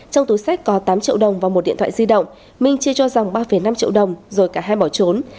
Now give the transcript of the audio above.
trong túi sách có tám triệu đồng và một điện thoại di động minh chia cho rằng ba năm triệu đồng rồi cả hai bỏ trốn